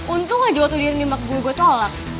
untung lah jawat udin di mbak bu gue tolak